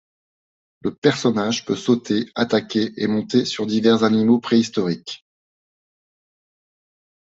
Le personnage peut sauter, attaquer et monter sur divers animaux préhistoriques.